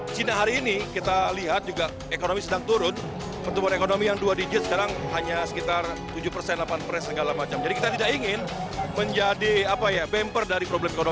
jadi kita tidak ingin menjadi bumper dari problem ekonomi di china sendiri